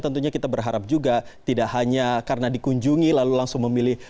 tentunya kita berharap juga tidak hanya karena dikunjungi lalu langsung memilih